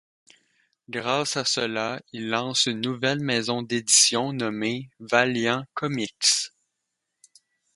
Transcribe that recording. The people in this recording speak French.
Grâce à cela il lance une nouvelle maison d'édition nommée Valiant Comics.